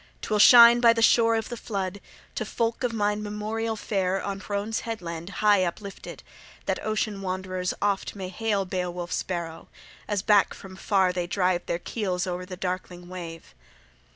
'Twill shine by the shore of the flood, to folk of mine memorial fair on Hrones Headland high uplifted, that ocean wanderers oft may hail Beowulf's Barrow, as back from far they drive their keels o'er the darkling wave."